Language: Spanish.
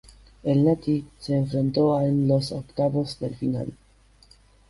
El "Nati" se enfrentó a en los octavos del final.